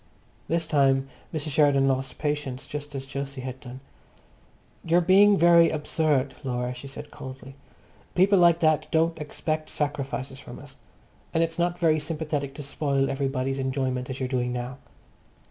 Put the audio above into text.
This time Mrs. Sheridan lost patience just as Jose had done. "You are being very absurd, Laura," she said coldly. "People like that don't expect sacrifices from us. And it's not very sympathetic to spoil everybody's enjoyment as you're doing now."